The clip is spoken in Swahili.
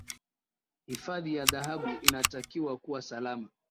hifadhi ya dhahabu inatakiwa kuwa salama